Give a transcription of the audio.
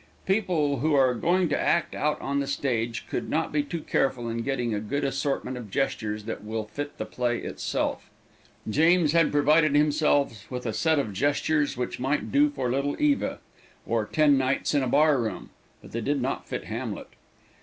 People who are going to act out on the stage can not be too careful in getting a good assortment of gestures that will fit the play itself. James had provided himself with a set of gestures which might do for Little Eva, or "Ten Nights in a Bar room," but they did not fit Hamlet.